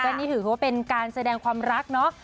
นี่ถือว่าเป็นการแสดงความรักเนาะ